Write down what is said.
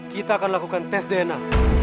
kita akan lakukan tes dna